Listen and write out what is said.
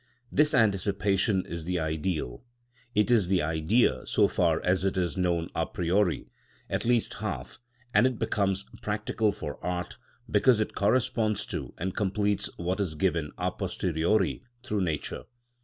This anticipation is the Ideal. It is the Idea so far as it is known a priori, at least half, and it becomes practical for art, because it corresponds to and completes what is given a posteriori through nature.